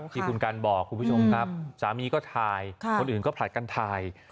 คุณกัลบอกครับสามีก็ทายคนอื่นก็ผลัดกันทาย